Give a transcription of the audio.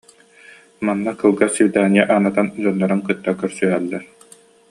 Манна кылгас свидание анатан дьоннорун кытта көрсүһэллэр